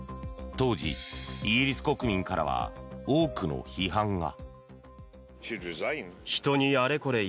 当時、イギリス国民からは多くの批判が。